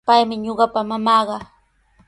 Paymi ñuqapa mamaaqa.